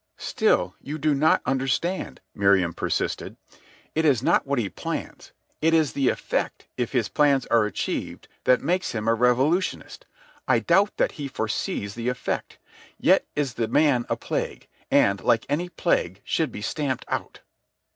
"Still you do not understand," Miriam persisted. "It is not what he plans; it is the effect, if his plans are achieved, that makes him a revolutionist. I doubt that he foresees the effect. Yet is the man a plague, and, like any plague, should be stamped out."